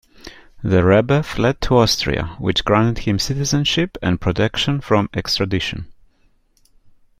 The Rebbe fled to Austria, which granted him citizenship and protection from extradition.